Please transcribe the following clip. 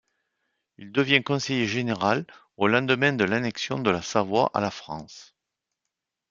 Il devient conseiller général au lendemain de l'Annexion de la Savoie à la France.